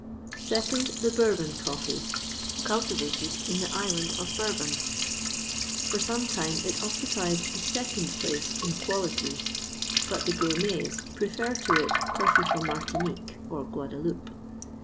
2nd. The Bourbon coffee, cultivated in the Island of Bourbon; for some time it occupied the second place in quality, but the gourmets prefer to it coffee from Martinique or Guadaloupe.